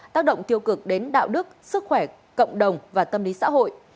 tác động tiêu cực đến đạo đức sức khỏe cộng đồng và tâm lý xã hội